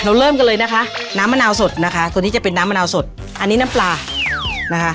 เริ่มกันเลยนะคะน้ำมะนาวสดนะคะตัวนี้จะเป็นน้ำมะนาวสดอันนี้น้ำปลานะคะ